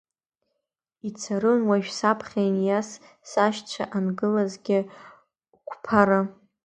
Ицарын уажә саԥхьа иниас сашьцәа ангылазгьы қәԥара.